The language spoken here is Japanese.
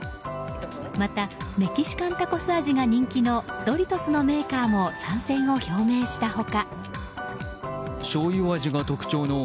またメキシカンタコス味が人気のドリトスのメーカーも参戦を表明した他。